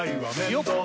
よっ！